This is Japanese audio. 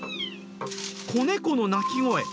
子猫の鳴き声。